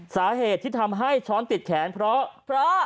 สาเหตุที่ทำให้ช้อนติดแขนเพราะ